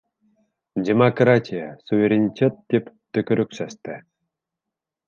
Демократия, суверенитет, тип төкөрөк сәсте.